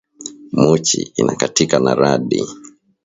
Muchi inakatika na radi